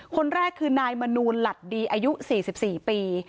คนแรกคือนายมนูลหลัดดีอายุ๔๔ปี